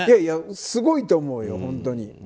すごいと思うよ、本当に。